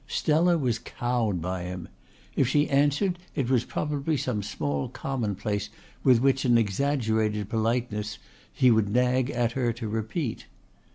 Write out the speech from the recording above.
Stella was cowed by him. If she answered it was probably some small commonplace which with an exaggerated politeness he would nag at her to repeat.